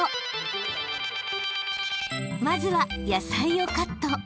［まずは野菜をカット］